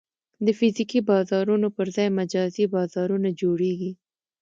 د فزیکي بازارونو پر ځای مجازي بازارونه جوړېږي.